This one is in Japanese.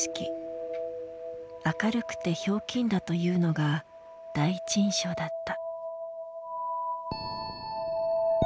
明るくてひょうきんだというのが第一印象だった。